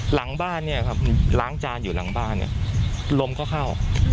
หลังบ้านเนี่ยครับล้างจานอยู่หลังบ้านเนี่ยลมก็เข้า